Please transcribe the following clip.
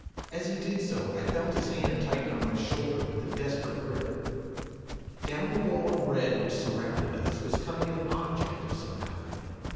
As he did so I felt his hand tighten on my shoulder with a desperate grip. Down the wall of red which surrounded us was coming an object of some kind.